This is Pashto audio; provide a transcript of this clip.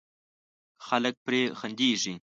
خلک پرې خندېږي.